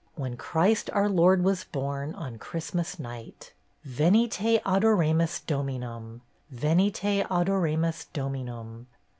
When Christ our Lord was born On Christmas night. Venite adoremus, Dominum. Venite adoremus, Dominum.